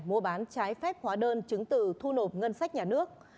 mua bán trái phép hóa đơn chứng từ thu nộp ngân sách nhà nước